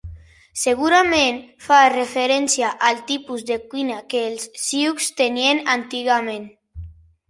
Segurament, fa referència al tipus de cuina que els Sioux tenien antigament.